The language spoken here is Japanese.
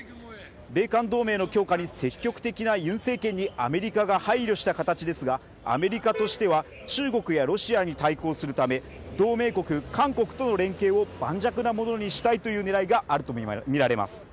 米韓同盟の強化に積極的なユン政権にアメリカが配慮した形ですがアメリカとしては中国やロシアに対抗するため同盟国韓国との連携を盤石なものにしたいというねらいがあると見られます